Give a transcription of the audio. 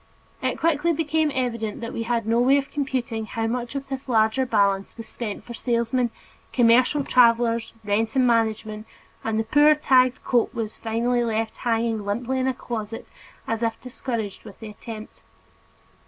It quickly became evident that we had no way of computing how much of this larger balance was spent for salesmen, commercial travelers, rent and management, and the poor tagged coat was finally left hanging limply in a closet as if discouraged with the attempt.